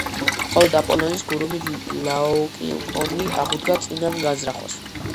მხოლოდ აპოლონის ქურუმი ლაოკოონი აღუდგა წინ ამ განზრახვას.